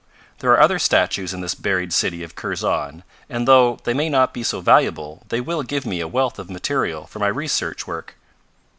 "There are other statues in this buried city of Kurzon, and though they may not be so valuable they will give me a wealth of material for my research work."